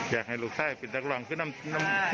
อยากให้ลูกไส้คือพ่อ